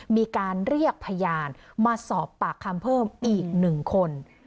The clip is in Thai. มีการเรียกพยานมาสอบปากคำเพิ่มอีก๑คน